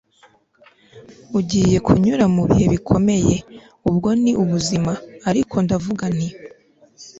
ugiye kunyura mubihe bikomeye - ubwo ni ubuzima. ariko ndavuga nti